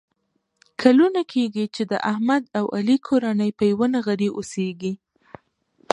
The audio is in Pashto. کلونه کېږي چې د احمد او علي کورنۍ په یوه نغري اوسېږي.